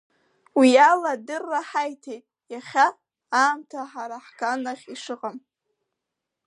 Уиала адырра ҳаиҭеит, иахьа, аамҭа ҳара ҳганахь ишыҟам.